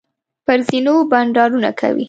پر زینو بنډارونه کوي.